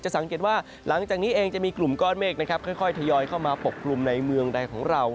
สังเกตว่าหลังจากนี้เองจะมีกลุ่มก้อนเมฆนะครับค่อยทยอยเข้ามาปกกลุ่มในเมืองใดของเรา